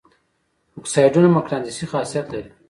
اکسایدونه مقناطیسي خاصیت لري.